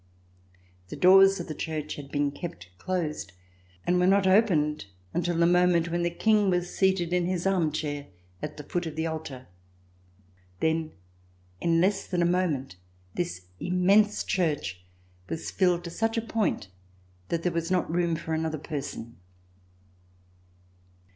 The doors of the Church had been kept closed and were not opened until the moment when the King was seated in his armchair at the foot of the altar. Then, in less than a moment, this immense church was filled to such a point that there was not room for another person.